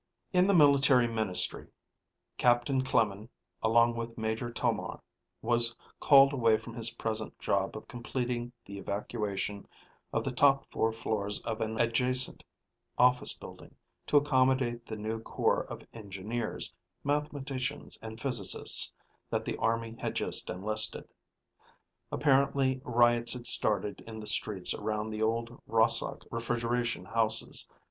In the military ministry, Captain Clemen, along with Major Tomar, was called away from his present job of completing the evacuation of the top four floors of an adjacent office building to accommodate the new corps of engineers, mathematicians, and physicists that the army had just enlisted. Apparently riots had started in the streets around the old Rahsok Refrigeration Houses.